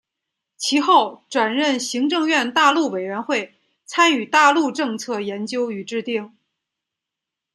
其后转任行政院大陆委员会参与大陆政策研究与制定。